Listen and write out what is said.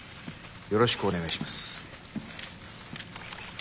よろしくお願いします。